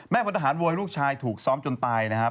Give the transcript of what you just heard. พลทหารโวยลูกชายถูกซ้อมจนตายนะครับ